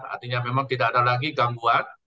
artinya memang tidak ada lagi gangguan